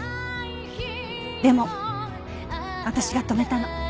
でも私が止めたの。